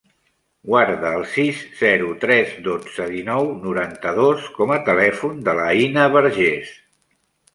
Guarda el sis, zero, tres, dotze, dinou, noranta-dos com a telèfon de l'Aïna Berges.